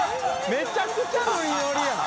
めちゃくちゃノリノリやん）